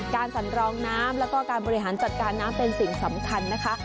สั่นรองน้ำแล้วก็การบริหารจัดการน้ำเป็นสิ่งสำคัญนะคะ